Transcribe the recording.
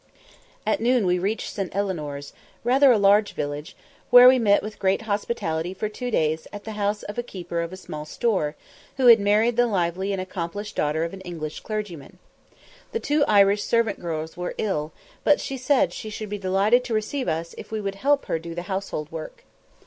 At noon we reached St. Eleanor's, rather a large village, where we met with great hospitality for two days at the house of a keeper of a small store, who had married the lively and accomplished daughter of an English clergyman. The two Irish servant girls were ill, but she said she should be delighted to receive us if we would help her to do the household work.